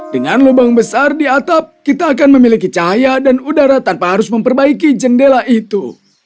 dengan lubang besar di atap kita akan memiliki cahaya dan udara tanpa harus memperbaiki jendela itu